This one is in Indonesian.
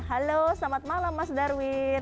halo selamat malam mas darwin